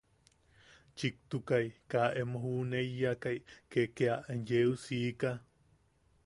Chiktukai kaa emo juʼuneiyakai ke kea yeu siika.